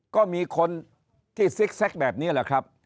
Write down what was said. ก็มีคนที่ซิกแซคแบบนี้แหละครับ